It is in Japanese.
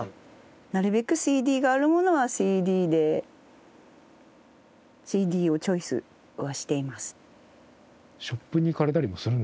なるべくＣＤがあるものはＣＤでＣＤをチョイスはしています。